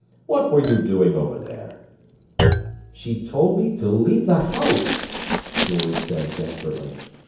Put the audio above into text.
What were you doing over there?" "She told me to leave the house," George said desperately.